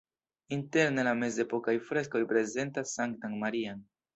Interne la mezepokaj freskoj prezentas Sanktan Marian.